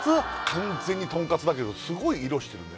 完全にとんかつだけどすごい色してるね